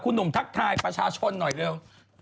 หนุ่มทักทายประชาชนหน่อยเร็ว